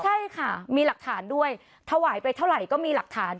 ใช่ค่ะมีหลักฐานด้วยถวายไปเท่าไหร่ก็มีหลักฐาน